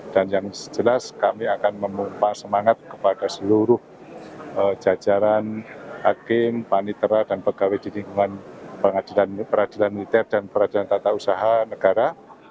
dan yang sejelas kami akan memupas semangat kepada seluruh jajaran hakim panitera dan pegawai di lingkungan peradilan militer dan peradilan tata usaha negara